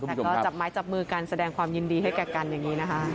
แต่ก็จับไม้จับมือกันแสดงความยินดีให้แก่กันอย่างนี้นะคะ